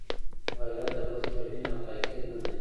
غیرت د بل توهین او تحقیر نه دی.